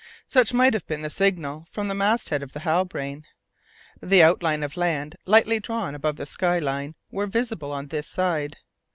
Such might have been the signal from the masthead of the Halbrane. The outlines of land lightly drawn above the sky line were visible on this side.